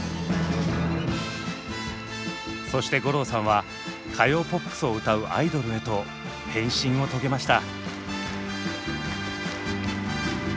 そして五郎さんは歌謡ポップスを歌うアイドルへと変身を遂げました。